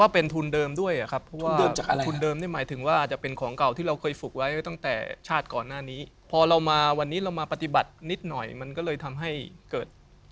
เป็นยังไงเป็นประมาณยังไง